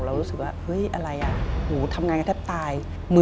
รู้สึกว่าเฮ้ยอะไรอ่ะหนูทำงานกันแทบตาย